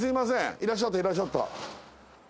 いらっしゃったいらっしゃった。